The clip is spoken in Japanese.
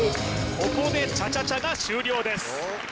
ここでチャチャチャが終了です